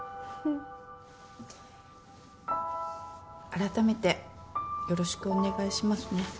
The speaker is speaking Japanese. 改めてよろしくお願いしますねふふっ。